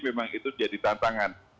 memang itu jadi tantangan